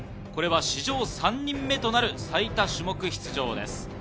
これは史上３人目となる最多種目出場です。